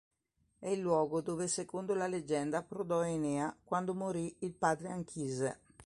È il luogo dove secondo la leggenda approdò Enea quando morì il padre Anchise.